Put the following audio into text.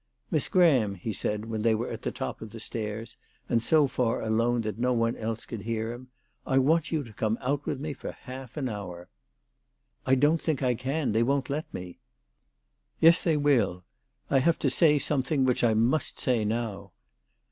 " Miss Graham," he said, when they were at the top of the stairs, and so far alone that no one else could hear him, " I want you to come out with me for half an hour." " I don't think I can. They won't let me." " Yes they will. I have to say something which I must say now."